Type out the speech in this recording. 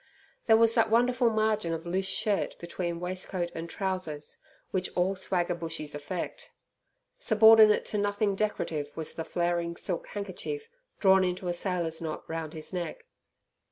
There was that wonderful margin of loose shirt between waistcoat and trousers, which all swagger bushies affect. Subordinate to nothing decorative was the flaring silk handkerchief, drawn into a sailor's knot round his neck.